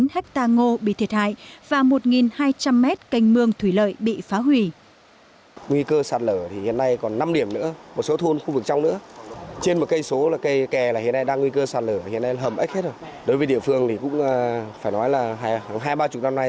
chín ha ngô bị thiệt hại và một hai trăm linh m canh mương thủy lợi bị phá hủy